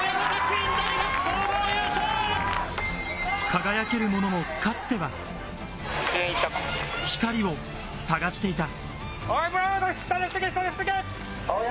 輝けるものもかつては、光を探していた。